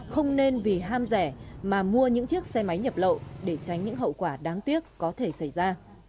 không nên vì ham rẻ mà mua những chiếc xe máy nhập lậu để tránh những hậu quả đáng tiếc có thể xảy ra